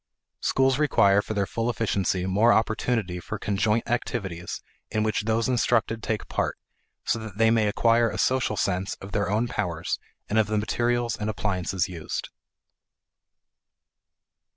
Schools require for their full efficiency more opportunity for conjoint activities in which those instructed take part, so that they may acquire a social sense of their own powers and of the materials and appliances used.